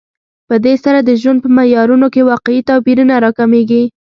په دې سره د ژوند په معیارونو کې واقعي توپیرونه راکمېږي